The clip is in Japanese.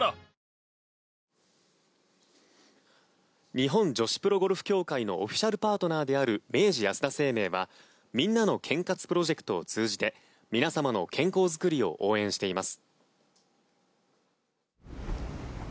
日本女子プロゴルフ協会のオフィシャルパートナーである明治安田生命はみんなの健活プロジェクトを通じて皆様の健康づくりを応援しています。